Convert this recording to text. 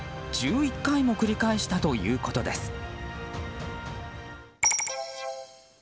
１１回も繰り返したということです。